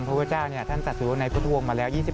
พระพระเจ้าท่านกระดดใดพระพุทธวงค์มาแล้ว